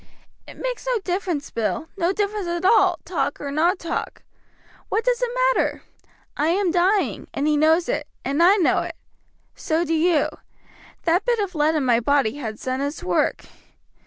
"It makes no difference, Bill, no difference at all, talk or not talk. What does it matter? I am dying, and he knows it, and I know it so do you. That bit of lead in my body has done its work.